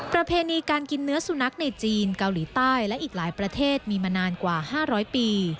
ประเพณีการกินเนื้อสุนัขในจีนเกาหลีใต้และอีกหลายประเทศมีมานานกว่า๕๐๐ปี